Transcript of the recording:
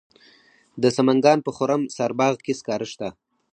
د سمنګان په خرم سارباغ کې سکاره شته.